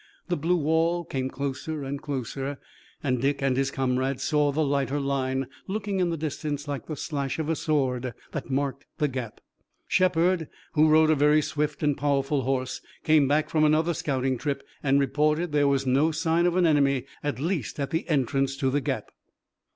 The blue wall came closer and closer and Dick and his comrade saw the lighter line, looking in the distance like the slash of a sword, that marked the gap. Shepard, who rode a very swift and powerful horse, came back from another scouting trip and reported that there was no sign of the enemy, at least at the entrance to the gap.